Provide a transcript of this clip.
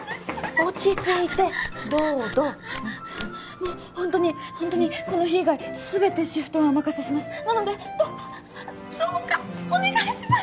落ち着いてどうどうもうホントにホントにこの日以外全てシフトはお任せしますなのでどうかどうかお願いします